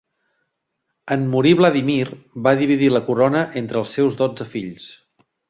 En morir Vladímir, va dividir la corona entre els seus dotze fills.